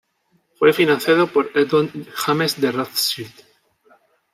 Fue financiado por Edmond James de Rothschild.